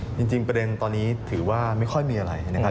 จริงประเด็นตอนนี้ถือว่าไม่ค่อยมีอะไรนะครับ